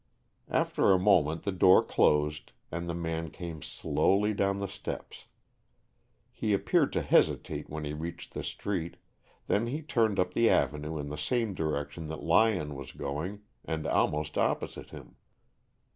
After a moment the door closed and the man came slowly down the steps. He appeared to hesitate when he reached the street, then he turned up the avenue in the same direction that Lyon was going, and almost opposite him.